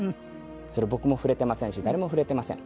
それ僕も触れていませんし誰も触れていません。